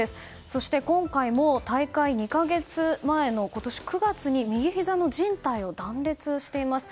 そして、今回も大会２か月前の今年９月に右ひざのじん帯を断裂しています。